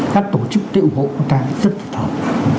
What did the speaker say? các tổ chức tế ủng hộ của ta rất là thật